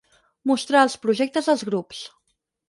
Mostrar els projectes dels grups.